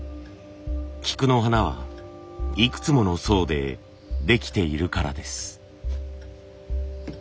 菊の花はいくつもの層でできているからです。